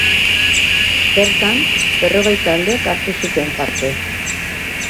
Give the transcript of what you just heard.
Bertan berrogei taldek hartu zuten parte.